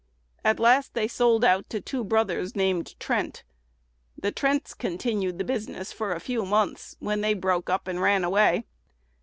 At last they sold out to two brothers named Trent. The Trents continued the business for a few months, when they broke up and ran away.